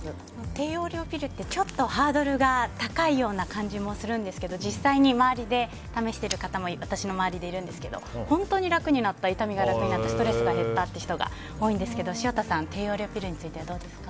低用量ピルってちょっとハードルが高いような気がするんですが実際に周りで試している方も私の周りでいるんですけど本当に痛みが楽になったストレスが減ったという人が多いんですけど潮田さん、低用量ピルについてはどうですか？